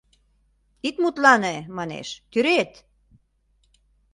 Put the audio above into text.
— Ит мутлане, манеш, тӱред!